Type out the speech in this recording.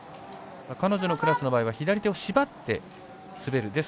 彼女のクラスの場合は左手を縛って滑る。